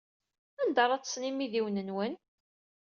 Anda ara ḍḍsen yimidiwen-nwen?